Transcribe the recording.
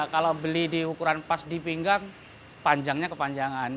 kalau beli di ukuran pas di pinggang panjangnya kepanjangan